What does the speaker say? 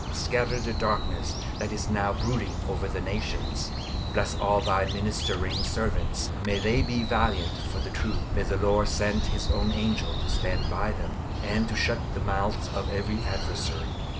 Scatter the darkness that is now brooding over the nations. Bless all thy ministering servants; may they be valiant for the truth; may the Lord send His own angel to stand by them, and to shut the mouths of every adversary.